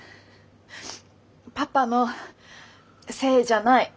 パパのせいじゃない。